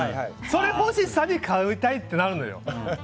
それ欲しさに買いたいってなるのよ。